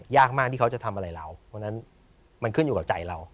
ยากมากที่เขาจะทำอะไรเราเพราะฉะนั้นมันขึ้นอยู่กับใจเรา